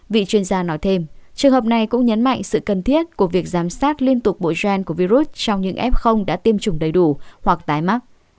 vị chuyên gia nói thêm trường hợp này cũng nhấn mạnh sự cần thiết của việc giám sát liên tục bộ gen của virus trong những f đã tiêm chủng đầy đủ hoặc tái mắc